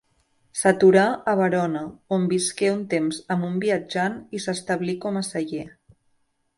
S'aturà a Verona, on visqué un temps amb un viatjant i s'establí com a seller.